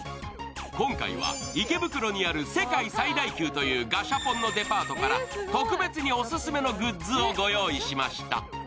今回は池袋にある世界最大級というガシャポンのデパートから特別にオススメのグッズをご用意しました。